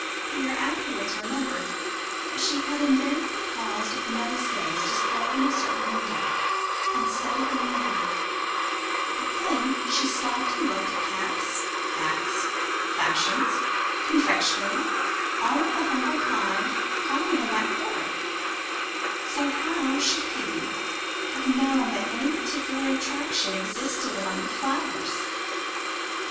Pierre afterwards remembered that she had invariably paused at the nosegays displayed in a certain window, and studied them long: but, then, she stopped and looked at caps, hats, fashions, confectionery (all of the humble kind common in that quarter), so how should he have known that any particular attraction existed among the flowers?